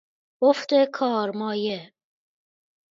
افت کارمایه